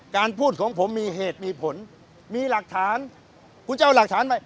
การพูดของผมมีเหตุมีผลมีหลักฐานคุณจะเอาหลักฐานไป